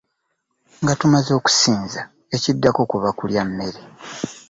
Nga tumaze okusinza ekiddako kuba kulya mmere.